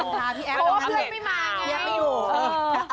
เพราะว่าเพื่อนไม่มาไง